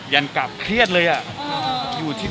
ันกลับเครียดเลยอะ